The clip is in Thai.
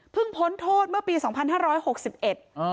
พ้นโทษเมื่อปีสองพันห้าร้อยหกสิบเอ็ดอ่า